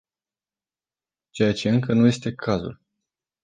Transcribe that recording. Ceea ce încă nu este cazul.